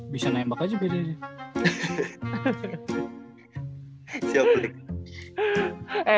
bisa nembak aja bedanya